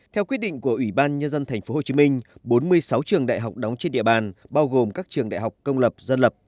theo quyết định của ủy ban nhân dân tp hcm bốn mươi sáu trường đại học đóng trên địa bàn bao gồm các trường đại học công lập dân lập